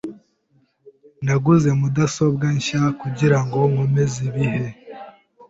Naguze mudasobwa nshya kugirango nkomeze ibihe.